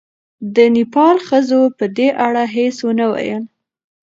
د نېپال ښځو په دې اړه هېڅ ونه ویل.